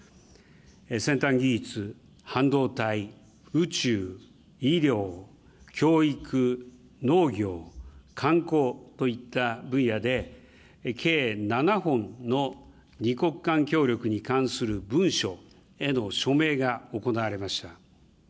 先端技術、半導体、宇宙、医療、教育、農業、観光といった分野で、計７本の２国間協力に関する文書への署名が行われました。